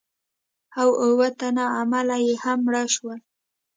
او اووه تنه عمله یې هم مړه شول.